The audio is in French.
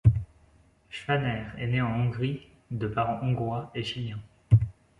Schwanner est né en Hongrie, de parents hongrois et chiliens.